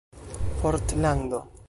portlando